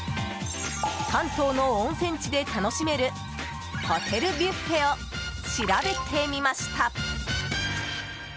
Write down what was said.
関東の温泉地で楽しめるホテルビュッフェを調べてみました。